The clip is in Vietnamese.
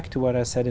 chúng tôi đi